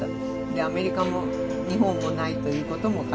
アメリカも日本もないということも書いた。